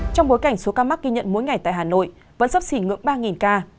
trong bối cảnh số ca mắc ghi nhận mỗi ngày tại hà nội vẫn sấp xỉ ngưỡng ba ca